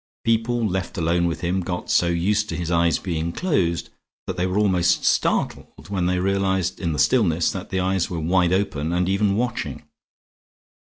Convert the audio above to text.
People left alone with him got so used to his eyes being closed that they were almost startled when they realized in the stillness that the eyes were wide open, and even watching.